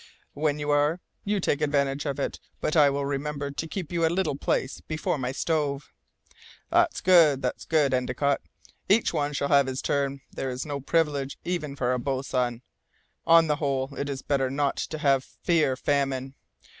When you are, you take advantage of it; but I will remember to keep you a little place before my stove." "That's good! that's good, Endicott! Each one shall have his turn! There is no privilege, even for a boatswain! On the whole, it is better not to have to fear famine!